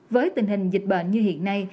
với tình hình dịch bệnh như hiện nay